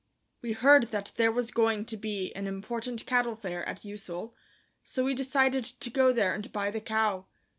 We heard that there was going to be an important cattle fair at Ussel, so we decided to go there and buy the cow.